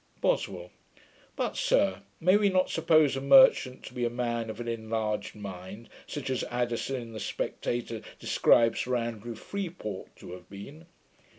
BOSWELL. 'But, sir, may we not suppose a merchant to be a man of an enlarged mind, such as Addison in the Spectator describes Sir Andrew Freeport to have been?'